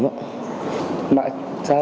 mọi xã hội chia sẻ